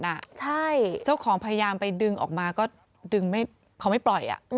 ใช่เจ้าของพยายามไปดึงออกมาก็ดึงเขาไม่ปล่อย